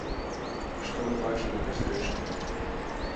І што мы бачым у кастрычніку?